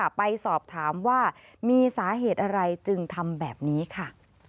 ไปสอบถามว่ามีสาเหตุอะไรจึงทำแบบนี้ค่ะ